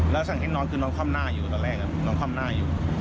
แล้วสถานที่นอนคือนอนข้ามหน้าอยู่ตอนแรกน่ะนอนข้ามหน้าอยู่